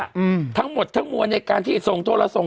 มืออ่ะอืมทั้งหมดทั่งมือในการที่ส่งโทรซ่ง